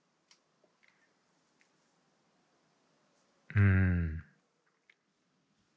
うん。